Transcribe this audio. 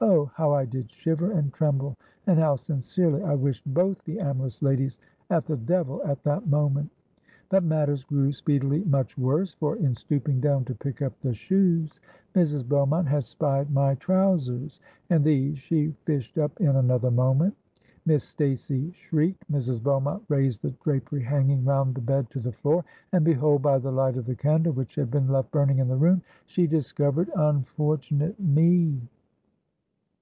Oh! how I did shiver and tremble! and how sincerely I wished both the amorous ladies at the devil at that moment! But matters grew speedily much worse; for, in stooping down to pick up the shoes, Mrs. Beaumont had spied my trowsers; and these she fished up in another moment. Miss Stacey shrieked; Mrs. Beaumont raised the drapery hanging round the bed to the floor—and, behold! by the light of the candle which had been left burning in the room, she discovered unfortunate me!